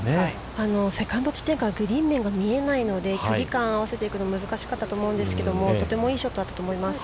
◆セカンド地点からグリーン面が見えないので、距離感合わせていくのが難しかったと思うんですけれども、とてもいいショットだったと思います。